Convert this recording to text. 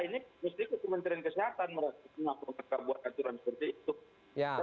ini mesti ke kementerian kesehatan merasakan apa mereka buat aturan seperti itu